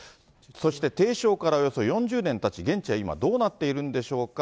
そして提唱からおよそ４０年たち、現地は今どうなっているんでしょうか。